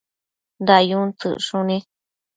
dayun tsëcshuni